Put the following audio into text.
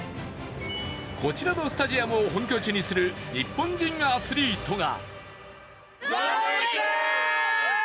こちらのスタジアムを本拠地にする日本人アスリートが。